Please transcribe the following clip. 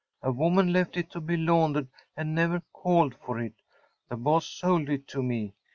A woman left it to be laundered, and never called for it. The boss sold it to me.